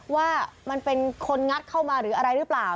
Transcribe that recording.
ว่ามันเป็นคนงัดเข้ามาหรืออะไรหรือเปล่า